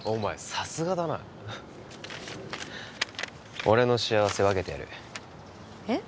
さすがだな俺の幸せ分けてやるえっ？